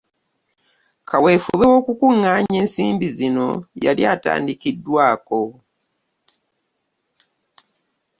Kaweefube w’okukuŋŋaanya ensimbi zino yali atandikiddwako.